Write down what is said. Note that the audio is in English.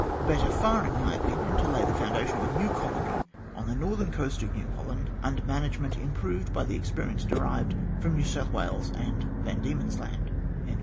Better far, in my opinion, to lay the foundation of a new colony on the northern coast of New Holland, under management improved by the experience derived from New South Wales and Van Diemen's Land."